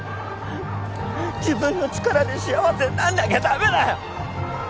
自分の力で幸せになんなきゃ駄目だよ！